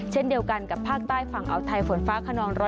เช่นเดียวกันกับภาคใต้ฝั่งอาวไทยฝนฟ้าขนอง๑๐